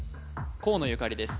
河野ゆかりです